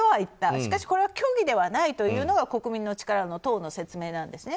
しかしこれは虚偽ではないというのが国民の力の、党の説明なんですね。